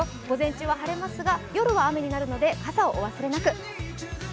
午前中は晴れますが、夜は雨になるので傘をお忘れなく。